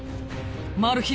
マル秘